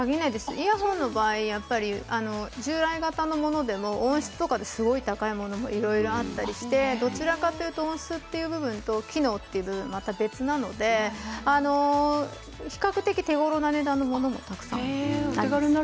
イヤホンの場合従来型のものでも音質とかですごく高いものとかもいろいろあってどちらかというと音質という部分と機能という部分は全く違うので全く別なので比較的手ごろな値段なものがたくさんあります。